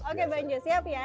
oke bang jos siap ya